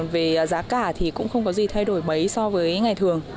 về giá cả thì cũng không có gì thay đổi mấy so với ngày thường